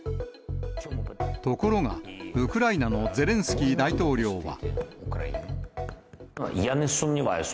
ところが、ウクライナのゼレンスキー大統領は。